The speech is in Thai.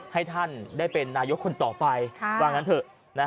ให้ท่านได้เป็นนายกคนต่อไปว่างั้นเถอะ